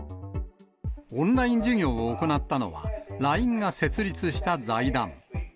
オンライン授業を行ったのは、ＬＩＮＥが設立した財団。